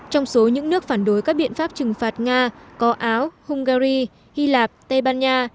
trong số những nước phản đối các biện pháp trừng phạt nga có áo hungary hy lạp tây ban nha